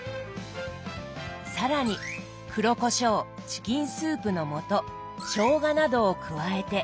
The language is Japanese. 更に黒こしょうチキンスープの素しょうがなどを加えて。